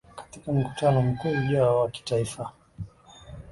katika mkutano mkuu ujao wa kitaifa